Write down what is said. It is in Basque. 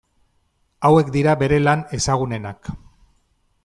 Hauek dira bere lan ezagunenak.